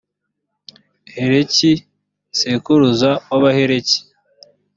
heleki sekuruza w’abaheleki.